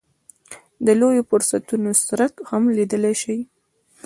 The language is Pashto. د لویو فرصتونو څرک هم لګېدلی شي.